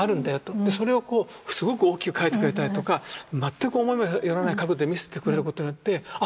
それをすごく大きく描いてくれたりとか全く思いも寄らない角度で見せてくれることによってあ！